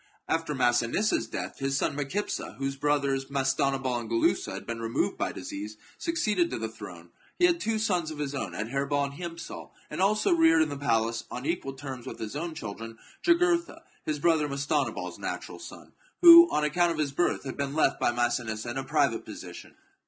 After Massinissa's death, his son Micipsa, whose brothers, Mastanabal and Gulussa, had been removed by disease, succeeded to the throne. He had two sons of his own, Adherbal and Hiempsal, and also reared in the palace, on equal terms with his own children, Jugurtha, his brother Mastanabal's natural son, who, on account of his birth, had been left by Massinissa in a private position.